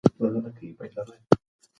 تاسو څو ماشومان لرئ؟